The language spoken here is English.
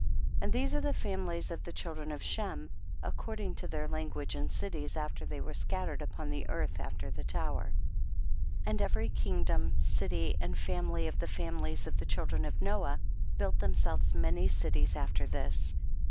37. And these are the families of the children of Shem according to their language and cities, after they w^ere scattered upon the earth after the tower. 38. And every kingdom, city and family of the families of the chil dren of Noah built themselves many cities after this.